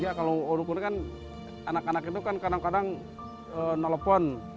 ya kalau orang kan anak anak itu kan kadang kadang nelfon